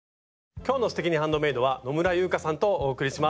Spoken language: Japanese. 今日の「すてきにハンドメイド」は野村佑香さんとお送りします。